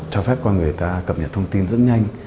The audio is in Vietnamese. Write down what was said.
cho phép con người ta cập nhật thông tin rất nhanh